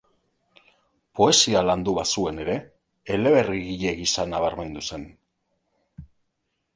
Poesia landu bazuen ere, eleberrigile gisa nabarmendu zen.